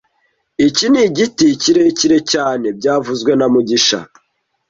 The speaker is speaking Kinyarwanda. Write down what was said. Iki ni igiti kirekire cyane byavuzwe na mugisha